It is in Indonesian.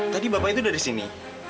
tadi bapak itu dari sini